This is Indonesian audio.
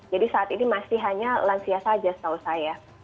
jadi saat ini masih hanya lansia saja setahu saya